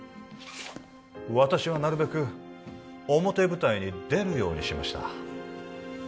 私はなるべく表舞台に出るようにしました